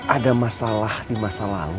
ada masalah di masa lalu